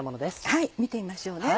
はい見てみましょうね。